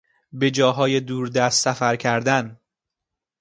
به جاهای دور دست سفر کردن